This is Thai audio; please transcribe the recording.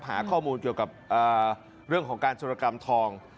หาข้อมูลเกี่ยวกับเรื่องของการโจรกรรมทอง